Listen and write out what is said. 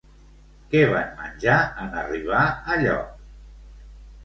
Què van menjar en arribar a lloc?